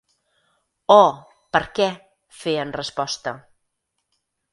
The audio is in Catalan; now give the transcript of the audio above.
Oh, «Perquè»—feia en resposta.